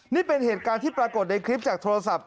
นี่เป็นเหตุการณ์ที่ปรากฏในคลิปจากโทรศัพท์